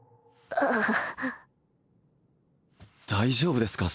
大丈夫ですか？